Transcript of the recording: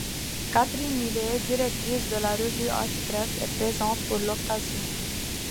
Catherine Millet, directrice de la revue Art Press est présente pour l'occasion.